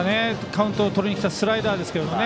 カウントをとりにきたスライダーですけどね。